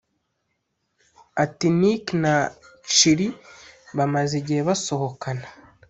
Ati “Nick na Chilli bamaze igihe basohokana